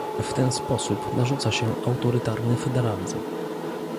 W ten sposób narzuca się autorytarny federalizm